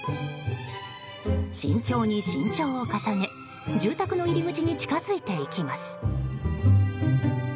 慎重に慎重を重ね住宅の入り口に近づいていきます。